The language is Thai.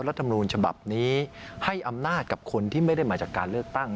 รัฐมนูลฉบับนี้ให้อำนาจกับคนที่ไม่ได้มาจากการเลือกตั้ง